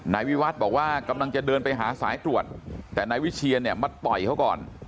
นายวิวัฒน์บอกว่ากำลังจะเดินไปหาสายตรวจแต่นายวิเชียนเนี่ยมาต่อยเขาก่อน